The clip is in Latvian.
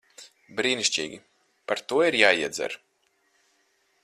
Brīnišķīgi. Par to ir jāiedzer.